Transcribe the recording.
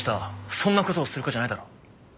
そんな事をする子じゃないだろ。